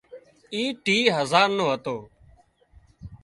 اي ٽِيهه هزار نو هتو